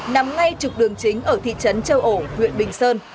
nằm ngay trục đường chính ở thị trấn châu ổ huyện bình sơn